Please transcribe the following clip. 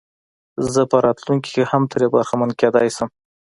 زه په راتلونکي کې هم ترې برخمن کېدلای شم.